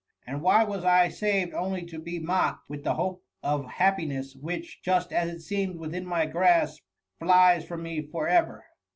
And why was I saved only to be mocked with the hope of happiness, which, just as it seemed within my grasp, flies from me for ever